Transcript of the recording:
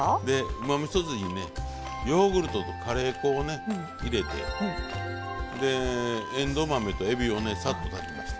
うまみそ酢にねヨーグルトとカレー粉を入れてえんどう豆とえびをねサッと炊きました。